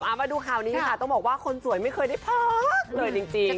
เอามาดูข่าวนี้ค่ะต้องบอกว่าคนสวยไม่เคยได้พักเลยจริง